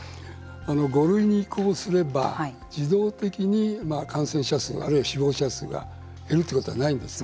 ５類に移行すれば自動的に感染者数あるいは死亡者数が減るということはないんですね。